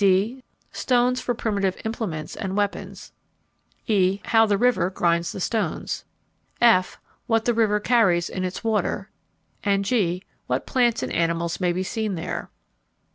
(d) Stones for primitive implements and weapons. (e) How the river grinds the stones. (f) What the river carries in its water. (g) What plants and animals may be seen there.